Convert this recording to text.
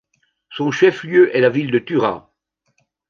Son chef-lieu est la ville de Tura.